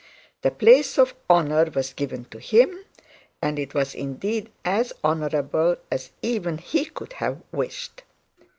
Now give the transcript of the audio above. The place of honour was given to him, and it was indeed as honourable as even he could have wished.